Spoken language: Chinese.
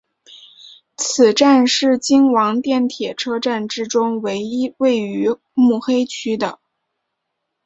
此站是京王电铁车站之中唯一位于目黑区的。